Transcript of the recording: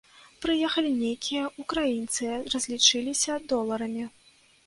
Прыехалі нейкія ўкраінцы, разлічыліся доларамі.